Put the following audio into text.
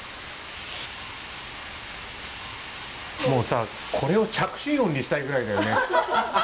もうさこれを着信音にしたいぐらいだよね！